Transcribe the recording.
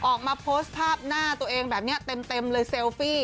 ออกมาโพสต์ภาพหน้าตัวเองแบบนี้เต็มเลยเซลฟี่